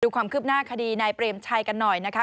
ความคืบหน้าคดีนายเปรมชัยกันหน่อยนะคะ